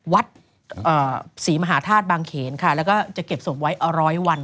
วัดศรีมหาธาตุบางเขณฑ์ค่ะแล้วก็จะเก็บส่งไว้๑๐๐วัน